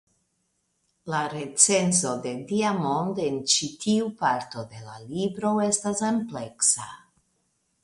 La recenzo de Diamond en ĉi tiu parto de la libro estas ampleksa.